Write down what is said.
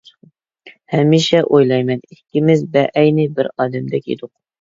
ھەمىشە ئويلايمەن، ئىككىمىز بەئەينى بىر ئادەمدەك ئىدۇق.